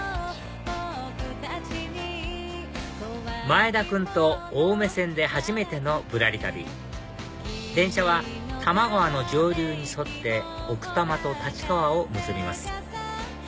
前田君と青梅線で初めての『ぶらり旅』電車は多摩川の上流に沿って奥多摩と立川を結びます